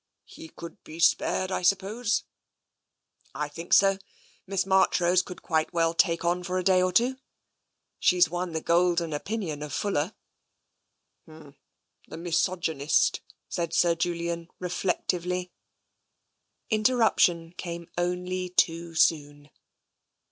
He could be spared, I suppose? " I think so. Miss Marchrose could quite well take on for a day or two. She's won golden opinions from Fuller." " H m. The misogynist," said Sir Julian reflec tively. Interruption came only too soon.